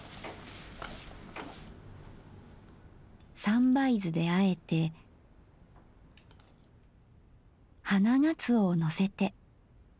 三杯酢であえて花がつおをのせて。